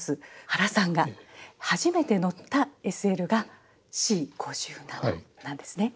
原さんが初めて乗ったＳＬがＣ５７なんですね。